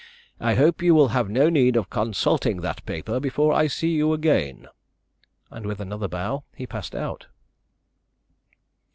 I hope you will have no need of consulting that paper before I see you again." And with another bow, he passed out.